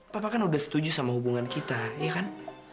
papa kan udah setuju sama hubungan kita ya kan